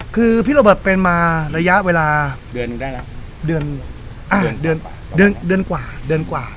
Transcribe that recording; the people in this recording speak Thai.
คือพี่โรเบิร์ตเป็นมาระยะเวลาเดือนกว่า